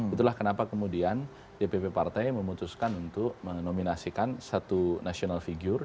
itulah kenapa kemudian dpp partai memutuskan untuk menominasikan satu national figure